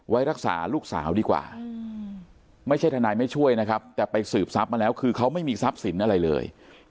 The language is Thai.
ไว้รักษาลูกสาวดีกว่าไม่ใช่ทนายไม่ช่วยนะครับแต่ไปสืบทรัพย์มาแล้วคือเขาไม่มีทรัพย์สินอะไรเลย